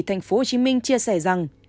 tp hcm chia sẻ rằng